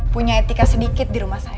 punya etika sedikit di rumah saya